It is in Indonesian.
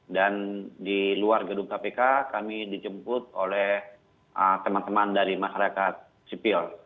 dan di luar gedung kpk kami dijemput oleh teman teman dari masyarakat sipil